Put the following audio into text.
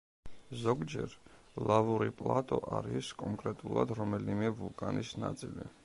ზოგჯერ, ლავური პლატო არის კონკრეტულად რომელიმე ვულკანის ნაწილი.